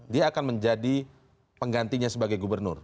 dia akan menjadi penggantinya sebagai gubernur